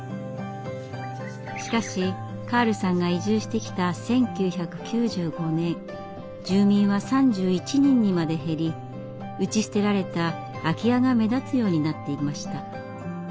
しかしカールさんが移住してきた１９９５年住民は３１人にまで減り打ち捨てられた空き家が目立つようになっていました。